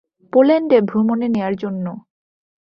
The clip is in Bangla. পোল্যান্ডে ভ্রমণে নেয়ার জন্য।